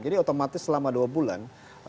jadi otomatis selama dua bulan